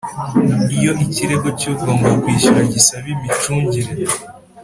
Iyo ikirego cy ugomba kwishyura gisaba imicungire